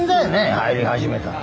入り始めたの。